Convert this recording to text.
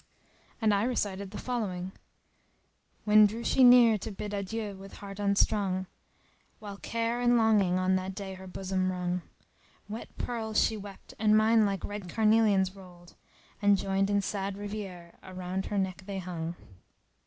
And I recited the following:— "When drew she near to bid adieu with heart unstrung, * While care and longing on that day her bosom wrung Wet pearls she wept and mine like red carnelians rolled * And, joined in sad rivière, around her neck they hung."